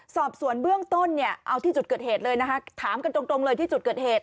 สอบสวนเบื้องต้นเนี่ยเอาที่จุดเกิดเหตุเลยนะคะถามกันตรงเลยที่จุดเกิดเหตุ